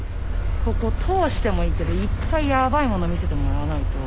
ここ通してもいいけど１回ヤバいもの見せてもらわないと。